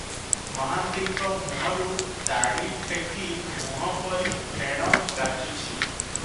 ମହାନ୍ତିଙ୍କ ମୁହଁରୁ ତାଡ଼ିଠେକି ମୁହଁ ପରି ଫେଣ ଗାଜୁଛି ।